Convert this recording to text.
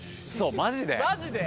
マジで？